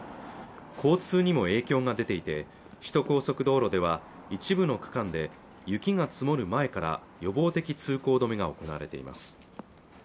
交通にも影響が出ていて首都高速道路では一部の区間で雪が積もる前から予防的通行止めが行われています